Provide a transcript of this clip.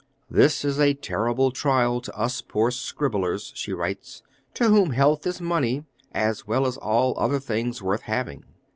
"This is a terrible trial to us poor scribblers," she writes, "to whom health is money, as well as all other things worth having."